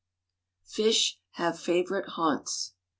FISH HAVE FAVORITE HAUNTS.